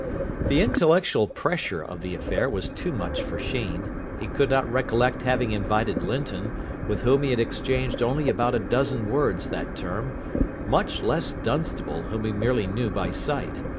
The intellectual pressure of the affair was too much for Sheen. He could not recollect having invited Linton, with whom he had exchanged only about a dozen words that term, much less Dunstable, whom he merely knew by sight.